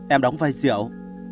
em đóng vai diệu